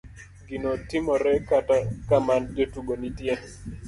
ginotimore kata kama jotugo nitie